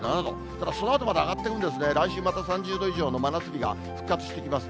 ただ、そのあと上がってるんですね、来週また３０度以上の真夏日が復活してきます。